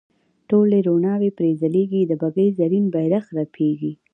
ټولې روڼاوې پرې ځلیږي د بګۍ زرین بیرغ رپیږي.